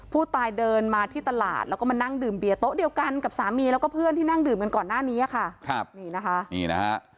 ผู้ตายเดินมาที่ตลาดแล้วก็มานั่งดื่มเบียโต๊ะเดียวกันกับสามีแล้วก็เพื่อนที่นั่งดื่มกันก่อนหน้านี้ค่ะครับนี่นะคะนี่นะฮะ